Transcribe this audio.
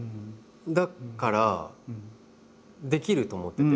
だからできると思ってて。